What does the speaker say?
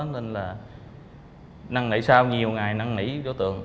nên là năng nảy sao nhiều ngày năng nảy đối tượng